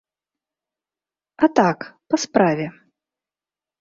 А так, па справе.